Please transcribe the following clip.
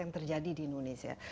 yang terjadi di indonesia